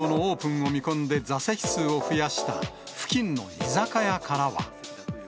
新球場のオープンを見込んで、座席数を増やした付近の居酒屋からは。